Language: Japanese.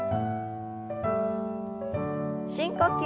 深呼吸。